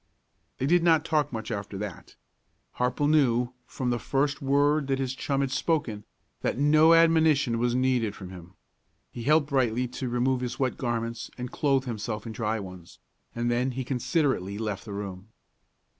They did not talk much after that. Harple knew, from the first word that his chum had spoken, that no admonition was needed from him. He helped Brightly to remove his wet garments and clothe himself in dry ones, and then he considerately left the room.